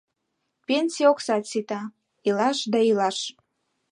Пенсий оксат сита — илаш да илаш.